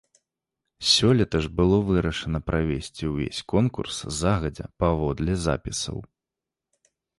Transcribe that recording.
Сёлета ж было вырашана правесці ўвесь конкурс загадзя паводле запісаў.